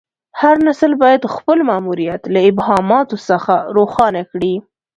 هر نسل باید خپل ماموریت له ابهاماتو څخه روښانه کړي.